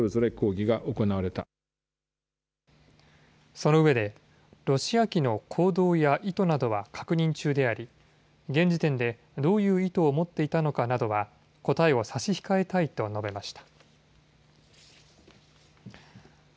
そのうえでロシア機の行動や意図などは確認中であり現時点で、どういう意図を持っていたのかなどは答えを差し控えたいと述べました。